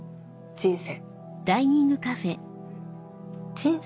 人生？